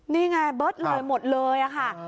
นี่ไงเบิร์ตเลยหมดเลยค่ะ